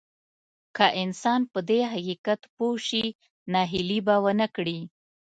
که انسان په دې حقيقت پوه شي ناهيلي به ونه کړي.